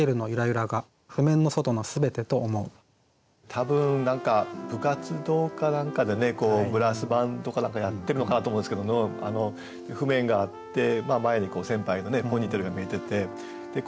多分何か部活動か何かでねブラスバンドか何かやってるのかなと思うんですけど譜面があって前に先輩のポニーテールが見えてて。